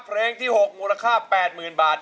เพลงที่๖มูลค่า๘๐๐๐บาท